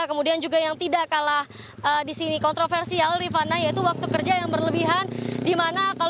kemudian juga yang tidak kalah di sini kontroversial rifana yaitu waktu kerja yang berlebihan